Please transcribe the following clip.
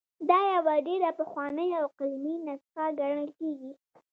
دا یوه ډېره پخوانۍ او قلمي نسخه ګڼل کیږي.